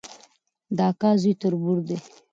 د اکا زوی تربور دی